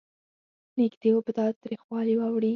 نېږدې و په تاوتریخوالي واوړي.